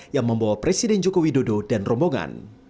yang membawa presiden joko widodo dan rombongan